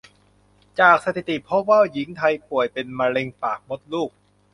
จากสถิติพบว่าหญิงไทยป่วยเป็นมะเร็งปากมดลูก